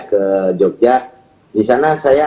ke yogyakarta disana saya